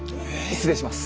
失礼します。